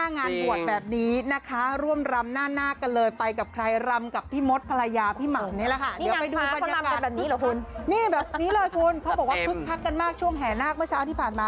แบบนี้เลยคุณเขาบอกว่าคึกคักกันมากช่วงแห่นาคเมื่อเช้าที่ผ่านมา